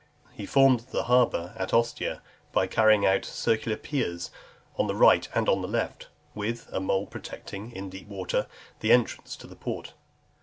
He formed the harbour at Ostia, by carrying out circular piers on the right and on the left, with (312) a mole protecting, in deep water, the entrance of the port .